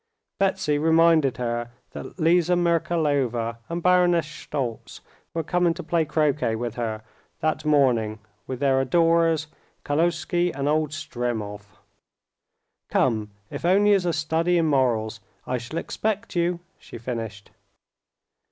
Betsy reminded her that Liza Merkalova and Baroness Shtoltz were coming to play croquet with her that morning with their adorers, Kaluzhsky and old Stremov. "Come, if only as a study in morals. I shall expect you," she finished.